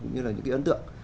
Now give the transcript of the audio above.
như là những cái ấn tượng